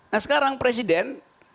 nah sekarang presiden